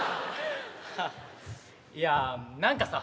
いや何かさ。